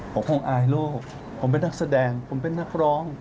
ผมคงอายลูกผมเป็นนักแสดงผมเป็นนักร้อง